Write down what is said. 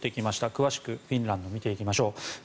詳しくフィンランド見ていきましょう。